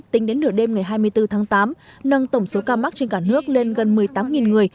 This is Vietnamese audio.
tính đến nửa đêm ngày hai mươi bốn tháng tám nâng tổng số ca mắc trên cả nước lên gần một mươi tám người